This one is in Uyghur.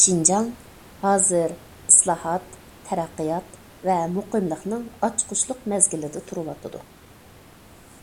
شىنجاڭ ھازىر ئىسلاھات، تەرەققىيات ۋە مۇقىملىقنىڭ ئاچقۇچلۇق مەزگىلىدە تۇرۇۋاتىدۇ.